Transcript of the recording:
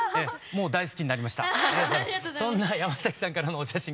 そんな山さんからのお写真